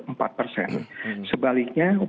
sebaliknya proyeksi untuk indonesia